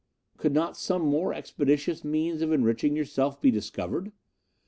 Could not some more expeditious means of enriching yourself be discovered?